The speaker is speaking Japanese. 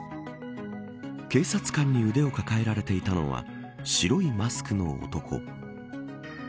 警察官に腕を抱えられていたのは白いマスクの男。